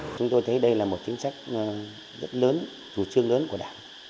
chúng tôi thấy đây là một chính sách rất lớn chủ trương lớn của đảng